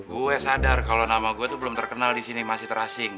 gue sadar kalau nama gue itu belum terkenal di sini masih terasing